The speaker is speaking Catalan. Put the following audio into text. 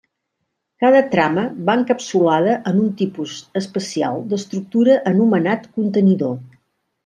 Cada trama va encapsulada en un tipus especial d'estructura anomenat contenidor.